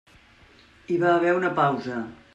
Hi va haver una pausa.